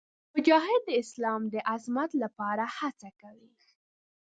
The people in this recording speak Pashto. مجاهد د اسلام د عظمت لپاره هڅه کوي.